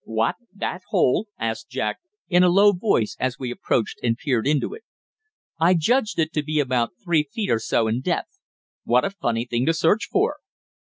"What, that hole?" asked Jack, in a low voice as we approached and peered into it. I judged it to be about three feet or so in depth. "What a funny thing to search for!"